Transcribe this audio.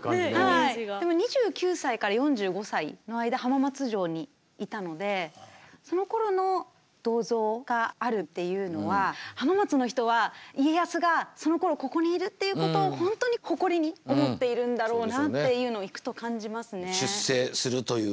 でも２９歳から４５歳の間浜松城にいたのでそのころの銅像があるっていうのは浜松の人は家康がそのころここにいるっていうことを本当に誇りに思っているんだろうなっていうのを行くと感じますね。